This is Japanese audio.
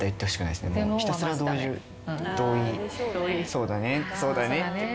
「そうだねそうだね」って。